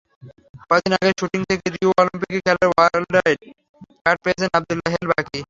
কদিন আগেই শ্যুটিং থেকে রিও অলিম্পিকে খেলার ওয়াইল্ড কার্ড পেয়েছেন আবদুল্লাহ হেল বাকি।